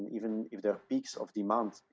dan bahkan jika ada keuntungan